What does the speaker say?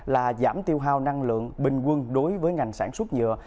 là giảm tiêu hao năng lượng bình quân đối với ngành sản xuất nhựa